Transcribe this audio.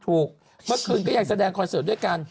เมื่อคืนก็ยังแสดงคอนเสิร์ตด้วยกัน